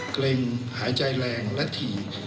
เกร็งหายใจแรงและถี่